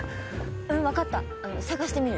うん分かった捜してみる。